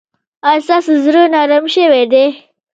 ایا ستاسو زړه نرم شوی دی؟